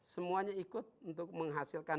semuanya ikut untuk menghasilkan